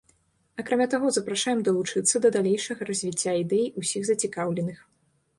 Акрамя таго, запрашаем далучыцца да далейшага развіцця ідэі ўсіх зацікаўленых.